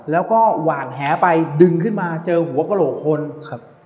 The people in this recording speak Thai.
แล้วก็หวานแหไปดึงขึ้นมาเจอหัวกระโหลกคนครับ